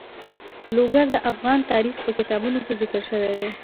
لوگر د افغان تاریخ په کتابونو کې ذکر شوی دي.